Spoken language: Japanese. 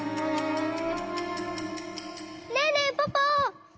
ねえねえポポ！